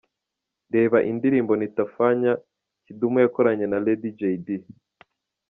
Reba indirimbo " Nitafanya" Kidumu yakoranye na Lady Jay Dee.